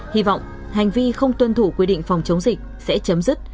hy vọng hành vi không tuân thủ quy định phòng chống dịch sẽ chấm dứt